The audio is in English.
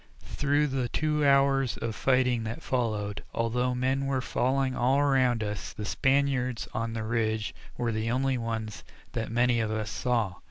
Through the two hours of fighting that followed, although men were falling all around us, the Spaniards on the ridge were the only ones that many of us saw.